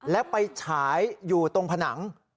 แล้วไปฉายอยู่ตรงผนัง